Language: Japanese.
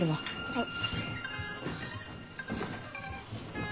はい。